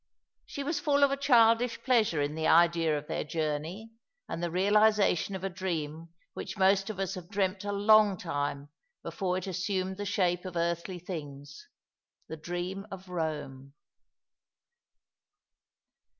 She was full of a childish pleasure in the idea of their journey, and the realization of a dream which most of us have dreamt a long time before it assumed the shape of earthly things — the dream of Eome.